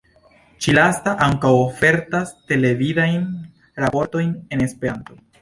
Ĉi-lasta ankaŭ ofertas televidajn raportojn en Esperanto.